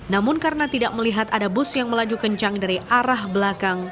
namun karena tidak melihat ada bus yang melaju kencang dari arah belakang